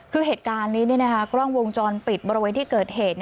คือเหตุการณ์นี้กล้องวงจรปิดบริเวณที่เกิดเหตุ